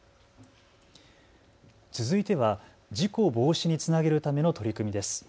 続いては事故防止につなげるための取り組みです。